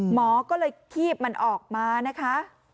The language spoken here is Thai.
หมอก็เลยคีบมันออกมานะคะ